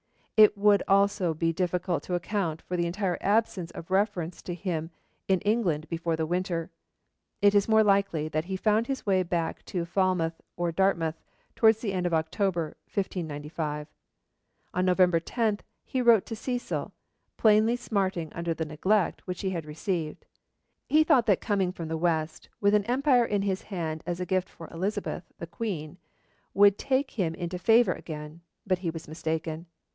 It would also be difficult to account for the entire absence of reference to him in England before the winter. It is more likely that he found his way back into Falmouth or Dartmouth towards the end of October 1595. On November 10, he wrote to Cecil, plainly smarting under the neglect which he had received. He thought that coming from the west, with an empire in his hand as a gift for Elizabeth, the Queen would take him into favour again, but he was mistaken.